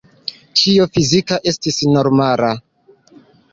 Ĉio fizika estis normala.